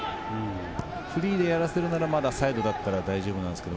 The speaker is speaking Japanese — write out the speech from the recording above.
フリーでやらせるならサイドだったら大丈夫なんですけれど。